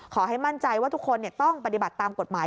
ขอให้มั่นใจว่าทุกคนต้องปฏิบัติตามกฎหมาย